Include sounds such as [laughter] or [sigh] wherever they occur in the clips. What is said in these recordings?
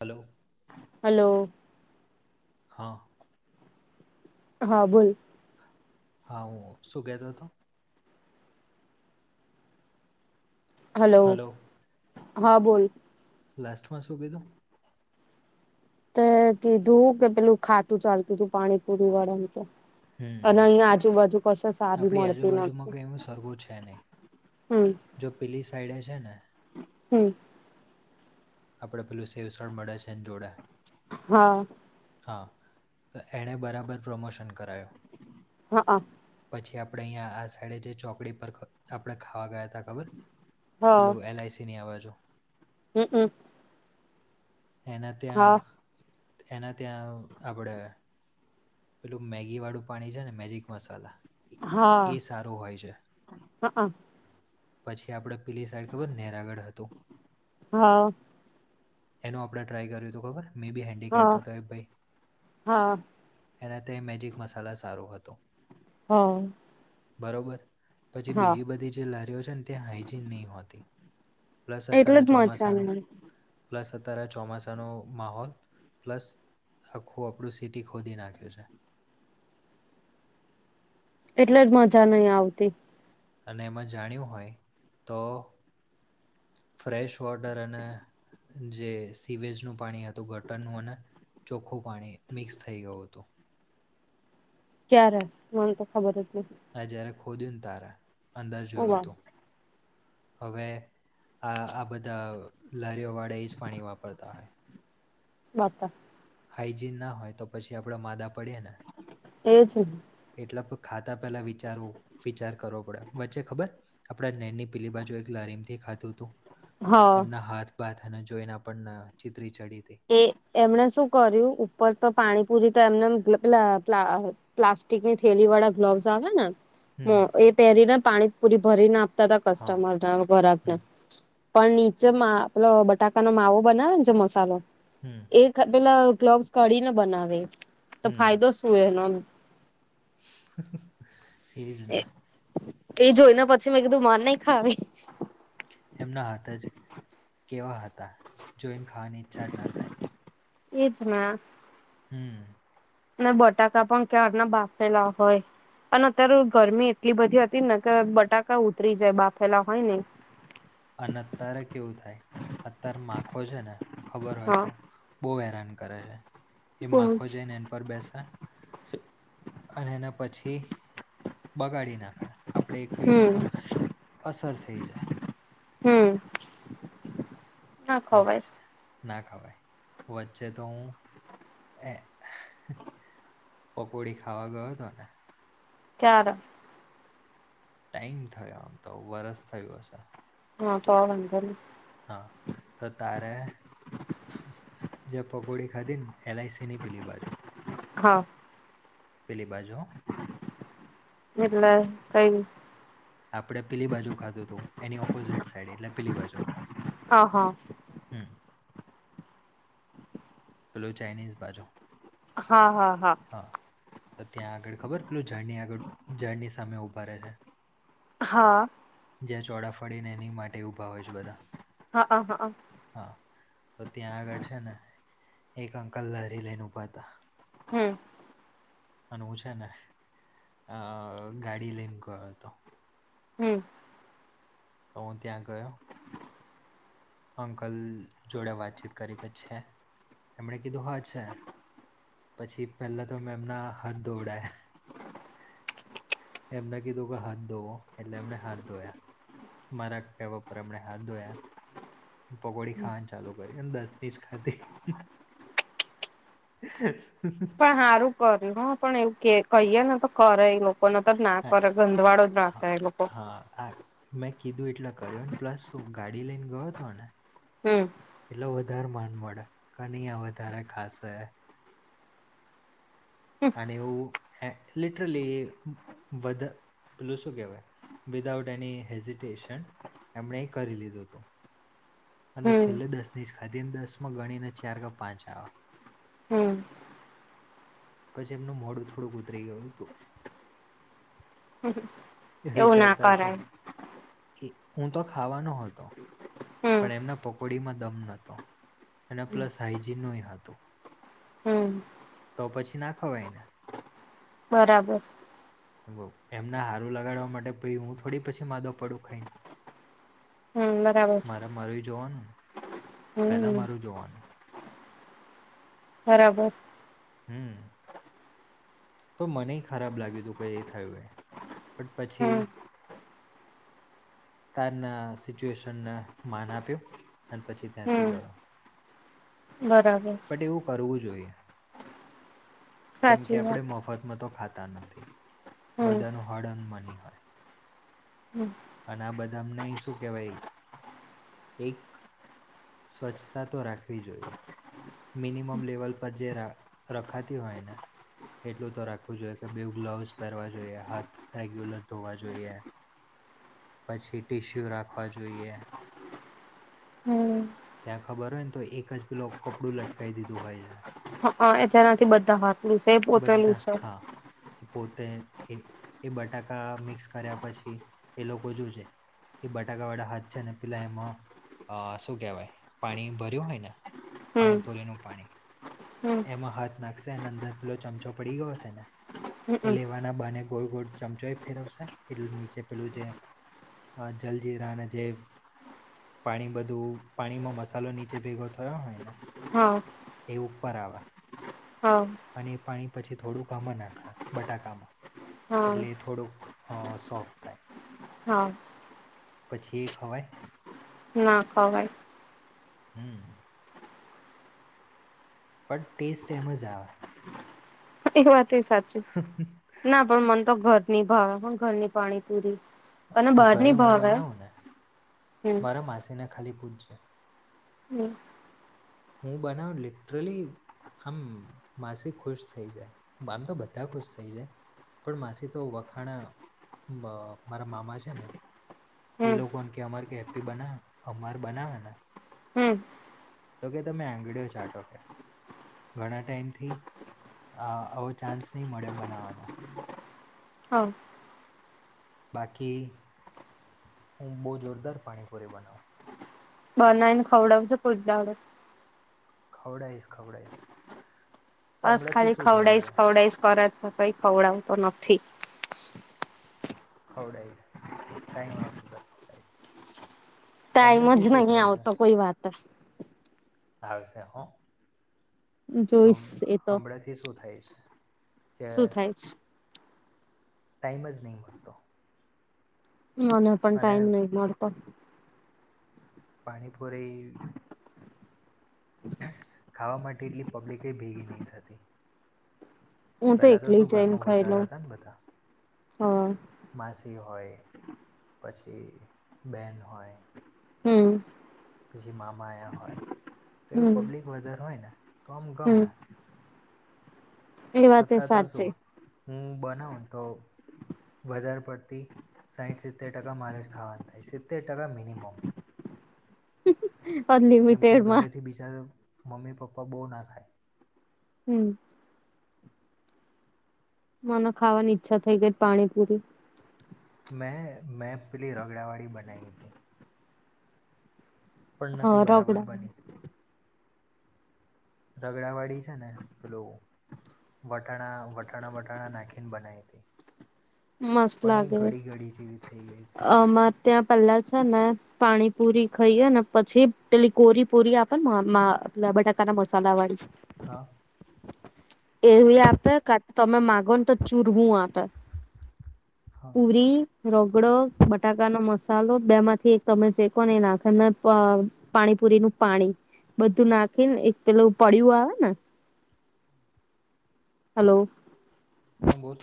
Hello. Hello. હા. હા બોલ. હા હું શું કેતો હતો. હલો હા બોલ. લાસ્ટ માં શું કીધું? કીધું કે પેલું ખાતું ચાલતું તું પાણી પુરી વાળા ને‌ તા. અને હમ અહીયાં આજુબાજુ. કશે સારી આપણી મળતી આજુબાજુમાં નથી કઈ એમ સરખુ છે નહીં. હમ જો પેલી સાઈડે છે ને. હમ. આપડે પેલું સેવસણ મળે છે ને જોડે. હા. હા તો એણે બરાબર પ્રમોશન કરાયો. હા હ. પછી આપણેે અહીંયા આ સાઈડે જે ચોકડી પર આપણે ખાવા ગયા હતા ખબર. પેલું એલઆઈસીની અઆ બાજુ. હમ હમ. એના હા ત્યાં એના ત્યાં આપડે. પેલું મેગી વાળું પાણી છે ને મેજિક મસાલા હા ઈ સારું હોય છે. હા હા પછી આપણે પેલી સાઈડ ખબર નેહરાગઢ હતું હા. એનું આપણે ટ્રાય કર્યું તું ખબર, મેબી હેન્ડીકેપ હતો [unintelligible] હા. એને તો એ મેજિક મસાલા સારો હતો. હા. બરોબર. પછી હા બીજી બધી જે લારીઓ છે ને તે હાઈજીન નહીં હોતી. પ્લસ એટલે અતારે જ મજા ચોમાસાનું નહી પ્લસ અત્યારે ચોમાસાનો માહોલ, પ્લસ આખું આપણું સિટી ખોદી નાખ ખ્યુ છે. એટલે જ મજા નહીં આવતી. અને એમાં જાણ્યું હોય તો ફ્રેશ વોટર અને જે સીવેજનું પાણી હત તું ગટરનું અને ચોખ્ખું પાણી મિક્સ થઈ ગયું હતું. ક્યારે? મન તો ખબર જ નથી આ જયારે ખોદ્યું ને ત્યારે, અંદર ઓ જોયું બા તું. હવે આ-આ બધા લારીઓવાળા એ જ પાણી વાપરતા હોય. [unintelligible] હાઈજીન ના હોય તો પછી આપણે માદા પડીએ ને. એ છે. એટલા આપ ખાતા પેલા વિચારવું વિચાર કરવો પડે. વચ્ચે ખબર આપડે નેની પીલી બાજુ એક લારી માંથી ખાધું તું હા એમના હાથ બાથ અને જોઈને પણ આમ ચિત્રી ચડી તી એ એમણે શું કર્યું, ઉપર તો પાણીપુરી તો એમને [unintelligible] પ્લાસ્ટિક ની થેલી વાળા ગ્લોવ્સ આવે ને હમ હા, એ પહેરીને પાણી પૂરી ભરીને આપતા તા હા કસ્ટમર [unintelligible] ઘરાકને. હમ પણ નીચે મા પેલો બટાકાનો માવો બનાવે ને, જે મસાલો હમ્મ. એ પેલા ગ્લોવ્સ કઢીને બનાવે, તો ફાયદો શું એ એનો? ઈ જ ને. એ જોઈને પછી મેં કીધું માર નહીં ખાવી. એમના હાથ જ કેવા હતા, જોઈન ખાવાની ઈચ્છા જ ન થાય. એજ ના. હમ્મ. ને બટાકા પણ ક્યાર ના બાફેલા હોય અને અત્યારે તો ગરમી એટલી બધી હતી ને કે બટાકા ઉતરી જાય, બાફેલા હોય ને ઈ. અને અત્યારે કેવું થાય, અત્યારે માખો છે ને, ખબર હોય હા તો બહુ હેરાન કરે છે. એ બહુ માખો જ જઈને એન પર બેસે અને એના પછી બગાડી નાખે. આપણે એ ખઈએ હમ તો અસર થઈ જાય. હમ્મ. વચ ના ખવાય. વચ્ચે તો હું એ પકોડી ખાવા ગયો તો ને ક્યારે? ટાઈમ થયો, આમ તો વરસ થયું હશે. હા [unintelligible] હા. તો તારે જે પકોડી ખાધી ને એલ આઈ સી ની પીલી બાજુ. હા. પેલી બાજુ હો. એટલે કઈ? આપડે પીલી બાજુ ખાધું હતું એની ઓપોઝિટ સાઈડ એટલે પીલી બાજુ. હા હ. હમ્મ, પેલો ચાાઈનીઝ બાજો. હા હા હા. હા તો ત્યાં આગળ ખબર પેલું જર્ની આગળ ઝાડની સામે ઊભા રહે છે? હા. જ્યાં ચોડાફડીને એની માટે ઊભા હોય છે બધા. હાક હાક. હા, તો ત્યાં આગળ છે ને એક અંકલ ધારી લઈને ઉભા હતા. હમ્મ. અને હું છે ને અ ગાડી લઈને ગયો હતો. હમ્મ. તો હું ત્યાં ગયો. અંકલ જોડે વાતચીત કરી છે એમણે કીધું હા છે. પછી પહેલા તો મે એમના હાથ ધોવડાયા. એમને કીધો કે હાથ ધોવો એટલે એમણે હાથ ધોયા. મારા કેવા પર એમણે હાથ ધોયા. પકોડી ખાવાની ચાલુ કરી અને દસમીજ ખાતી. એ. પણ સારું કર્યું હો પણ એવું કે કહીએ ને તો કરે લોકો. લોકો તો ના હા કરે ગંધવાળો જ રાખ હા એ લોકો. હા આ મેં કીધું એટલા કર્યો ને પ્લસ હું ગાડી લઈને ગયો હતો ને. હમ્મ. એટલો વધારે માન મડે, કનૈયા અહીં વધારે ખાસ હે. અને એવું લિટરલી વધે પેલું શું કેહેવાય. વિધાઉટ એની હેઝિટેશન એમણે કરી લીધું હતું. અને હમ છેલ્લે દસ ની જ ખાદી ને દસ માં ગણીને ચાર કે પાંચ આવે. હમ્મ. પછી એમનું મોડું થોડુંક ઉતરી ગયું હતું. એ એવું ના વિચારતા હશે, કરાય હું તો ખાવાનો હતો. હમ પણ એમના પકોડીમાં દમ નહોતો અને પ્લસ હાાઈજીનનું હતું. હમ્મ. તો પછી ના ખવાય ને? બરાબર. એમના હારું લગાડવા માટે પછી હું થોડી પછી માદો પડું ખાઈને. હમ્મ, બરાબર. મારે મારું જોવાનું ને, પહેલાં હમ મારું જોવાનું. બરાબર. હમ્મ. તો મને ખરાબ લાગ્યું હતું કે એ થયું એ, બટ પછી હમ તારના સિચ્યુએશનને માન આપ્યો અને પછી ત્યાં હમ થી ગયો. બરાબર. એવું કરવું જોઈએ. કેમ કે સાચી આપણે વાત મફતમાં તો ખાતા નથી, હમ બધાનું હળ એન મની હોય‌. હમ અને આ બધા અમને શું કેહેવાય એક સ્વચ્છતા તો રાખવી જોઈએ. મિનિમમ લેવલ પર જે રખાતી હોય ને એટલું તો રાખવું જોઈએ કે બે ગ્લોવસ પહેરવા જોઈએ હાથ રેગ્યુલર ધોવા જોઈએ પછી ટીશ્યુ રાખવા જોઈએ. હમ ત્યાં ખબર હોય ને તો એક જ પેલું કપડું લટકાવી દીધું હોય છે. હા એતનાથી બધા વાતલું છે પોતેલું બધા છે. હા એ પોતે એ એ બટાકા મિક્સ કર્યા પછી એ લોકો જોજે એ બટાકા વાળા હાથ છે અને પેલા એમાં શું કહેવાય પાણી ભર્યું હોય ને હમ પાણીપુરીનું પાણી હમ એમાં હાથ નાખશે અને અંદર પેલો ચમચો પડી ગયો હશે ને એ હમમ લેવાના બાને ગોળ ગોળ ચમચો એ ફેરવશે એટલે નીચે પેલું જે હા જલજીરા ને જે પાણી બધું પાણીમાં મસાલો નીચે ભેગો થયો હોયને હા એ ઉપર આવા હા અને એ પાણી પછી થોડુંક આમાં નાખે બટાકામાં હા એટલે એ થોડુંક હ સોફ્ટ થાય. હા. પછી એ ખવાય ના ખવાય. હમ બટ ટેસ્ટ એમજ આવે. એ વાતય સાચી ના પણ મનતો ઘરની ભાવ પણ ઘરની પાણીપૂરી. ઘરે હું બનાવુંને હમ મારા માસીને ખાલી પૂછજે હમ હું બનાવુ લિટરલી આમ માસી ખુશ થઈ જાય આમ તો બધા ખુશ થઇ જાય. પણ માસી તો વખાણે બ મારા મામા છેને એ હમ લોકો કે અમારે કે હેપ્પી બનાવે અમાર બનાવેને હમ્મ. તો કે તમે એગડીયો ચાટો કે. ઘણા ટાઈમથી અ આવો ચાન્સ નહીં મળ્યો બનાવાનો. હા બાકી હું બઉ જોરદાર પાણીપુરી બનાવું. બનાયી ને ખવડાવજે કોઈક દાડે. ખવડાઇશ ખવડાઇશ. બસ ખાલી ખવડાઈસ ખવડાઈસ કરે છે કઈ ખવડાવતો નથી. ખવડાઈસ ટાઈમ આવસે ત્યારે ખવડાઈસ. ટાઈમજ નહીં છે આવતો કોઈ વાતે. આવશે હો! હમ જોઈશ એ તો હમણાંથી શું થાય છે કે શું થાય છે ટાઈમજ નહી મળતો. મને પણ અને ટાઈમ નઈ મળતો. પાણીપુરી ખાવા માટે એટલી પબ્લિકય ભેગી નહીં થતી. હું પેલા તો એકલી શું જઈને ઘરમાં ખાઈ વધારે લઉં હતાને બધા હા માસી હોય પછી બેન હોય હમ્મ. પછી મામા આયા હોય હમ એવું પબ્લિક વધારે હોયને તો આમ હમ ગમે. એ વાત એ અતા તો શું સાચી હું બનાવ તો વધારે પડતી સાઈઠ સિત્તેરટકા મારેજ ખાવાનું થાય સિત્તેરટકા મિનિમમ [unintelligible] કેમકે ઘરેથી બીજા મમ્મી પપ્પા બઉં ના ખાય. હમ મન ખાવાની ઈચ્છા થઈગઈ પાણીપુરી મેં મેપેલી રગડાવાડી બનાઈ તી. પણ હા નથી બરાબર રગડા બની. રગડાવાડી છે ને પેલો. વટણા વટણાવટાણા નાખીન બનાઈ તી. મસ્ત પણ એ ઘડીઘડી જેવી થઈ ગઈ તી અમાંર ત્યાં પેલા છે ને પાણીપુરી ખઈએ ને પછી પેલી કોરીપુરી આપે ને [unintelligible] બટાકાના મસાલા વાળી. હા. એવી આપે કા તમે માગો ને તો ચૂરવું આપે. હા પૂરી રગડો બટાકાનોો મસાલો બે માંથી એક તમે ચેકો ને એ નાખ પ પાણીપુરી નું પાણી બધું નાખી ને એક પેલું પડ્યું આવે ને હલો. હા બોલો.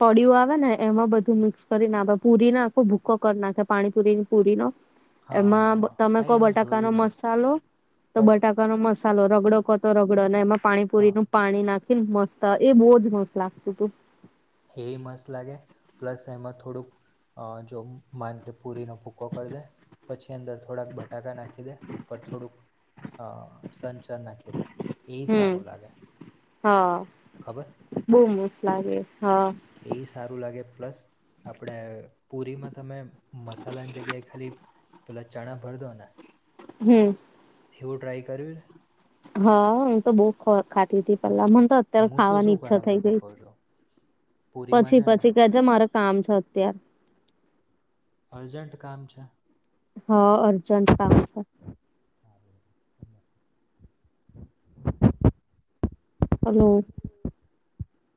પડી આવે ને એમાં બધું મિક્સ કરી નાખે પુરીને આખો ભૂકો કર નાખે પાણીપુરીની પુરી નો. હા હા એમાં હા તમે હા ક એ મેં જોયું બટાકાનોો છે મસાલો તો પ બટાકા નો મસાલો રગડો કતો રગડો અને એમાં પાણીપુરી હા નું પાણી નાખીને મસ્ત એ બહુ જ મસ્ત લાગતું તું. એ એ મસ્ત લાગે પ્લસ એમાં થોડુંક. જો માન કે પૂરીનો પૂક્કો કર દે. પછી અંદર થોડાક બટાકા નાખી દે ઉપર થોડુંક અ સંચાર નાખી દે એ હમ સારું લાગે હા ખબર બહુ મસ તો લાગે હા. એ સારું લાગે પ્લસ આપણે પુરીમાં તમે મસાલાની જગ્યાએ ખાલી તુલા ચણા ભર દોના. હમ્મ. જેવું ટ્રાય કર્યું હા હું તો બહ ખાતી હતી હમ પેલા મને તો અત્યારે હું શું ખાવાની ઈચ્છા થઈ ગઈ છે. પુરી માજ પછી કે છે મારે કામ છે અત્યારે. અર્જેન્ટન્ટ કામ છે? હા અર્જંન્ટ કામ છે. [inaudible] [inaudible] હલો.